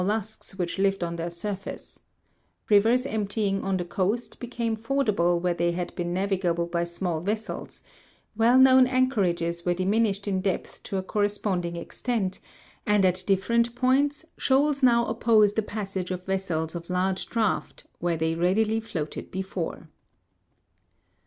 lusks which lived on their surface ; rivers emptying on the coast became fordable where they had been navigable by small vessels ; well known anchorages were diminished in depth to a correspond ing extent, and at different points, shoals now oppose the passage of vessels of large draught where they readily floated before.